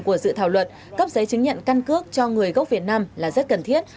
của dự thảo luật cấp giấy chứng nhận căn cước cho người gốc việt nam là rất cần thiết